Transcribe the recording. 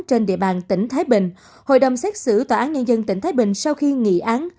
trên địa bàn tỉnh thái bình hội đồng xét xử tòa án nhân dân tỉnh thái bình sau khi nghị án